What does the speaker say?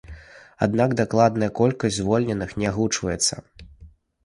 Аднак дакладная колькасць звольненых не агучваецца.